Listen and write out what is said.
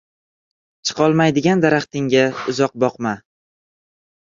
• Chiqolmaydigan daraxtingga uzoq boqma.